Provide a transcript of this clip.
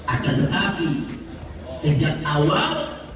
akan tetapi sejak awal